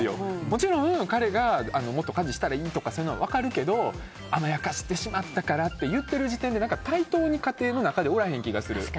もちろん彼がもっと家事をしたらいいとかそういうのは分かるけど甘やかしてしまったからとか言ってる時点で対等に家庭の中でおらへん気がする。